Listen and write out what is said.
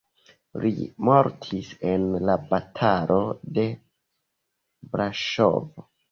Li mortis en la batalo de Braŝovo.